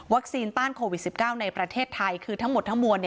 ต้านโควิด๑๙ในประเทศไทยคือทั้งหมดทั้งมวล